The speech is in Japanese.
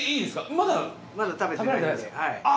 まだ食べてないです。